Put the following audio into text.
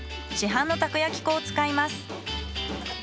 市販のタコ焼き粉を使います。